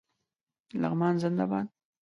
لغمان زنده باد